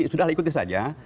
sudah ikuti saja